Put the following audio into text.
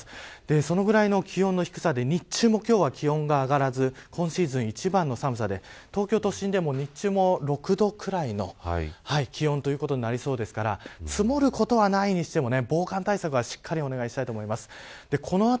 そのぐらいの気温の低さで日中も今日は気温が上がらず今シーズン一番の寒さで東京都心でも日中は６度ぐらいの気温ということになりそうですから積もることはないにしても防寒対策はしっかりお願いします。